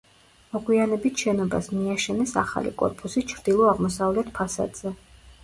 მოგვიანებით შენობას მიაშენეს ახალი კორპუსი ჩრდილო-აღმოსავლეთ ფასადზე.